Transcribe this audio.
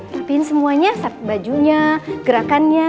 siapin semuanya bajunya gerakannya